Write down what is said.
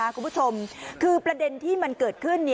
คุณผู้ชมคือประเด็นที่มันเกิดขึ้น